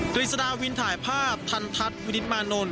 ฤษฎาวินถ่ายภาพทันทัศน์วินิตมานนท์